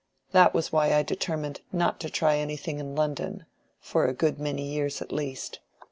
That was why I determined not to try anything in London, for a good many years at least.